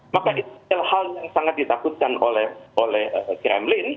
maka itu hal yang sangat ditakutkan oleh kremlin